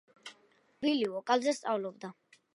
თავდაპირველად ბილი ვოკალზე სწავლობდა.